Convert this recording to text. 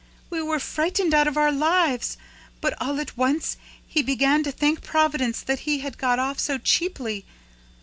We were frightened out of our lives, but, all at once, he began to thank Providence that he had got off so cheaply.